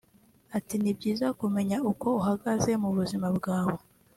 Ati “Ni byiza kumenya uko uhagaze mu buzima bwawe